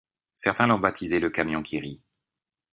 Certains l'ont baptisée le camion qui rit.